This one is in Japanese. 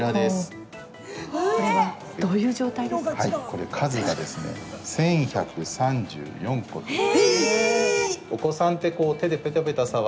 これ、数がですね１１３４個という。